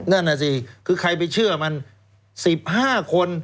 นั่นน่ะสิคือใครไปเชื่อมัน๑๕คน